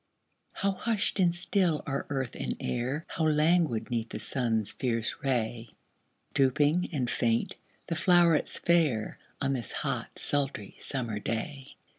How hushed and still are earth and air, How languid 'neath the sun's fierce ray Drooping and faint the flowrets fair, On this hot, sultry, summer day!